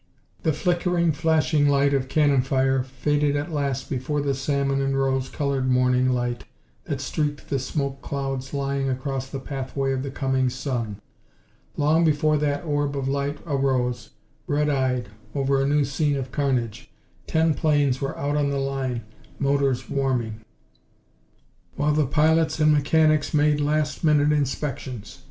The flickering, flashing light of cannon fire faded at last before the salmon and rose colored morning light that streaked the smoke clouds lying across the pathway of the coming sun. Long before that orb of light arose, red eyed, over a new scene of carnage, ten planes were out on the line, motors warming, while the pilots and mechanics made last minute inspections.